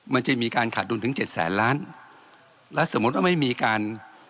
มันจะมีการขาดดุลถึงเจ็ดแสนล้านแล้วสมมุติว่าไม่มีการ